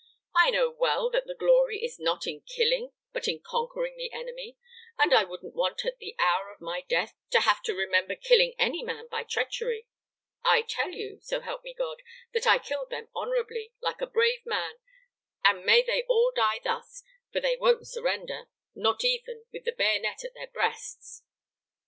I know well that the glory is not in killing but in conquering the enemy, and I wouldn't want at the hour of my death to have to remember killing any man by treachery. I tell you, so help me God, that I killed them honorably, like a brave man, and may they all die thus, for they won't surrender, not even with the bayonet at their breasts."